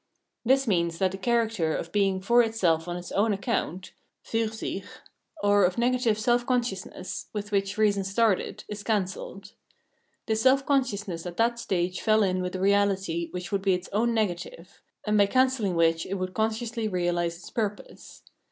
., This means that the character of being for itself on its own account {fur sich), or of negative self conscious ness, with which reason started, is cancelled. This self consciousness at that stage fell in with a reality which would be its own negative, and by cancelling which it would consciously reahse its purpose.